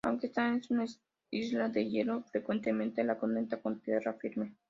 Aunque está en una isla, el hielo frecuentemente la conecta con tierra firme.